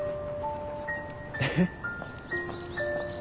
えっ？